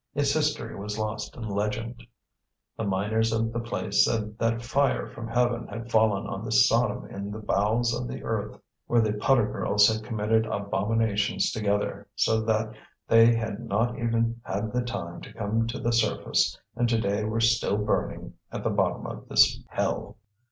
Its history was lost in legend. The miners of the place said that fire from heaven had fallen on this Sodom in the bowels of the earth, where the putter girls had committed abominations together, so that they had not even had the time to come to the surface, and today were still burning at the bottom of this hell.